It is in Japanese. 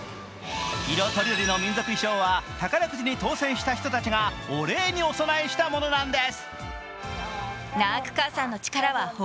色とりどりの民族衣装は宝くじに当せんした人たちがお礼にお供えしたものなんです。